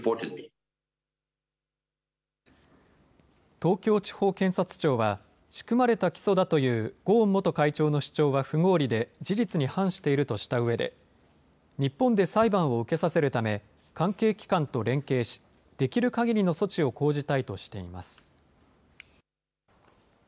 東京地方検察庁は、仕組まれた起訴だというゴーン元会長の主張は不合理で事実に反しているとしたうえで、日本で裁判を受けさせるため、関係機関と連携し、できるかぎりの措置を講じたいとしています。